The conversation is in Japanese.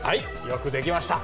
よくできました。